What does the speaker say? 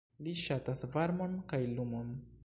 Ĝi ŝatas varmon kaj lumon.